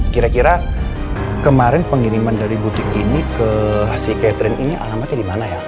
kira kira kemarin pengiriman dari butik ini ke si catherine ini alamatnya di mana ya